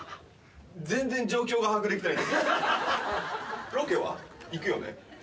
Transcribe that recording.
全然状況が把握できてない。